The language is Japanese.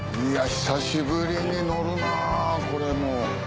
久しぶりに乗るなこれも。